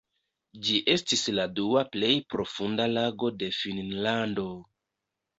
Ĝi estis la dua plej profunda lago de Finnlando.